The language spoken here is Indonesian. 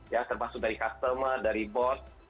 ya terbasu dari customer dari boss